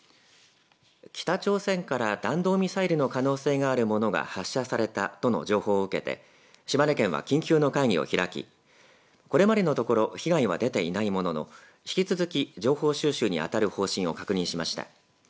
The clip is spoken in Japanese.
北朝鮮から弾道ミサイルの可能性があるものが発射されたとの情報を受けて島根県は緊急の会議を開きこれまでのところ被害が出ていないものの引き続き情報収集に当たる方針を確認しました。